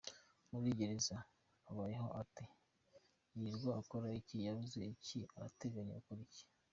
Muri gereza abayeho ate, yirirwa akora iki, yabuze iki, arateganya gukora iki?